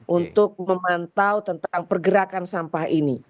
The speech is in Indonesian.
untuk memantau tentang pergerakan sampah ini